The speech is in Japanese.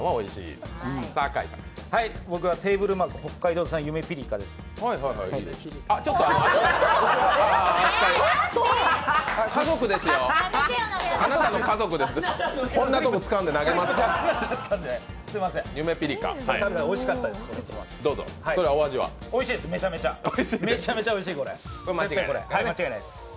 おいしいです、めちゃめちゃおいしい。